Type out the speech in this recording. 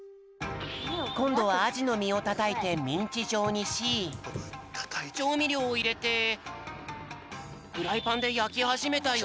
こんどはアジのみをたたいてミンチじょうにしちょうみりょうをいれてフライパンでやきはじめたよ。